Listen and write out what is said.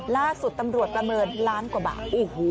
ล่าสุดตำรวจประเมินล้านกว่าบาท